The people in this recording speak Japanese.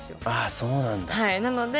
あそうなんだ。